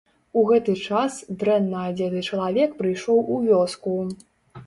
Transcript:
У гэты час дрэнна адзеты чалавек прыйшоў у вёску.